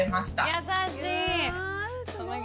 優しい。